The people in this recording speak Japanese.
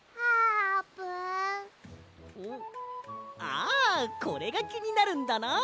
あこれがきになるんだな！